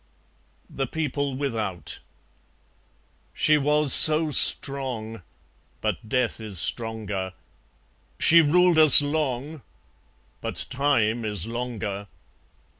(The People without) She was so strong; But death is stronger. She ruled us long; But Time is longer.